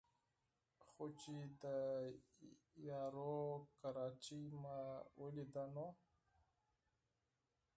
خو چې د یارو کراچۍ مې ولېده نو